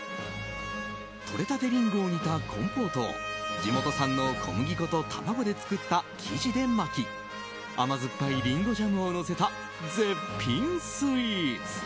採れたてリンゴを煮たコンポートを地元産の小麦粉と卵で作った生地で巻き甘酸っぱいリンゴジャムをのせた絶品スイーツ。